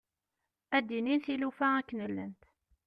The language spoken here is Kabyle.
Ad d-inin tilufa akken llant.